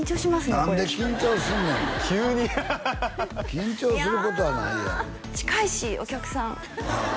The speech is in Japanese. これ何で緊張すんねん急にハハハハ緊張することはないやんいや近いしお客さんあ